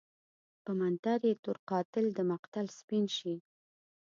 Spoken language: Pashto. په منتر يې تور قاتل دمقتل سپين شي